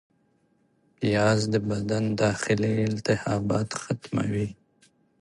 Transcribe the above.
پیاز د بدن داخلي التهابات ختموي